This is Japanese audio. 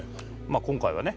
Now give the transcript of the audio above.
今回はね